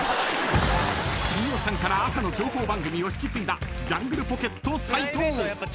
［飯尾さんから朝の情報番組を引き継いだジャングルポケット斉藤］